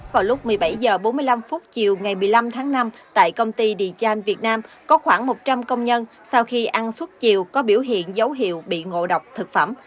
vào lúc một mươi bảy h bốn mươi năm chiều ngày một mươi năm tháng năm tại công ty đê trang việt nam có khoảng một trăm linh công nhân sau khi ăn suốt chiều có biểu hiện dấu hiệu bị ngộ độc thực phẩm